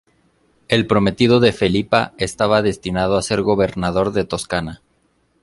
El prometido de Felipa estaba destinado a ser Gobernador de Toscana.